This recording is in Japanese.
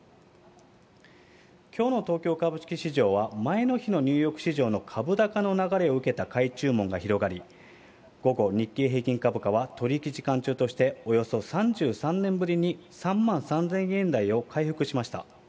きょうの東京株式市場は前の日のニューヨーク市場の株高の流れを受けた買い注文が広がり、午後、日経平均株価は取り引き時間中として、およそ３３年ぶりに３万３０００円台を回復しました。